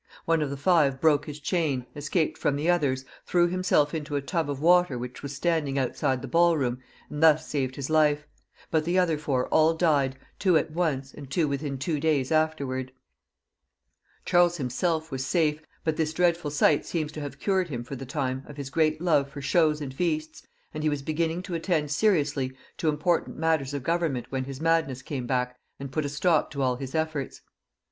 One of the five broke his chain, escaped from the others, threw himself into a tub of water which was standing outside the ball room, and thus saved his life ; but the other four all died, two at once and two within two days after. 192 CHARLES VL [CH. Charles himself was safe ; but this dreadful sight seems to have cured him for the time of his great love for shows and feasts ; and he was beginning to attend seriously to important matters of government when his madness came back and put a stop to all his efforts.